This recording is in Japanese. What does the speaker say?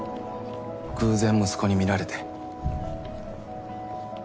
偶然息子に見られて。